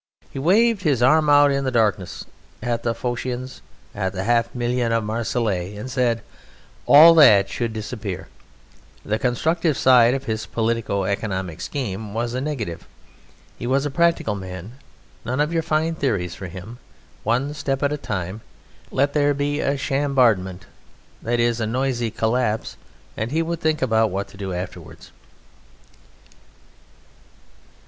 He waved his arm out in the darkness at the Phoceans, at the half million of Marseilles, and said, "All that should disappear." The constructive side of his politico economic scheme was negative. He was a practical man. None of your fine theories for him. One step at a time. Let there be a Chambardement that is, a noisy collapse, and he would think about what to do afterwards.